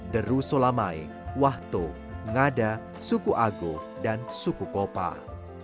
deru solamai wahto ngada suku ago dan suku kopah